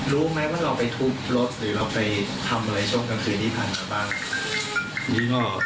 รู้ไหมว่าเราไปทุบรถหรือเราไปทำอะไรช่วงกลางคืนที่ผ่านมาบ้าง